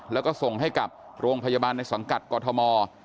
แล้วก็ส่งให้กับโรงพยาบาลในสังกัดกรทม